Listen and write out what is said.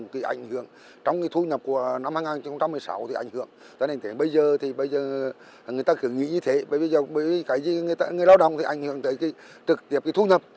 từ năm hai nghìn một mươi sáu thì ảnh hưởng bây giờ người ta cứ nghĩ như thế bởi vì người lao động thì ảnh hưởng tới thực tiệp thu nhập